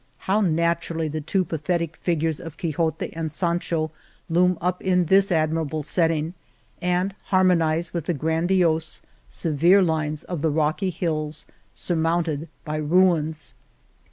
How naturally the two pathetic figures of Quixote and Sancho loom up in this admirable setting, and harmonize with the grandiose, severe lines of the rocky hills surmounted by ruins.